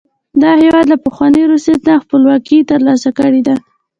دا هېواد له پخوانۍ روسیې نه خپلواکي تر لاسه کړې ده.